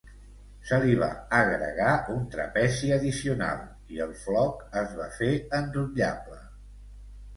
Se li va agregar un trapezi addicional, i el floc es va fer enrotllable.